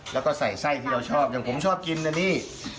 แล้วก็ใส่ไส้ที่เราชอบอย่างผมชอบกินนะนี่